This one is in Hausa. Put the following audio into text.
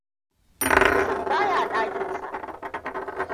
Yusuf baya dakinsa.